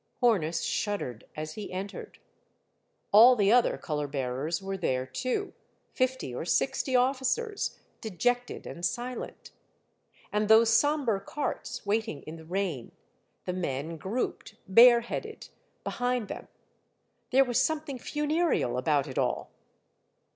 Hornus shuddered, as he entered. All the other color bearers were there too, fifty or sixty officers, de jected and silent. And those sombre carts waiting in the rain, the men grouped, bare headed, behind them ; there was something funereal about it all